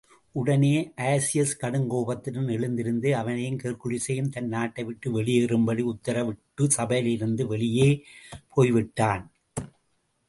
உடனே ஆஜியஸ், கடுங்கோபத்துடன் எழுந்திருந்து, அவனையும் ஹெர்க்குலிஸையும் தன் நாட்டைவிட்டு வெளியேறும்படி உத்தரவிட்டுவிட்டு சபையிலிருந்து வெளியே போய்விட்டான்.